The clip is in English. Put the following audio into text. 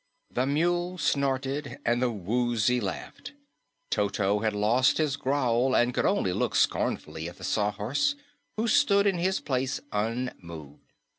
The Mule snorted, and the Woozy laughed; Toto had lost his growl and could only look scornfully at the Sawhorse, who stood in his place unmoved.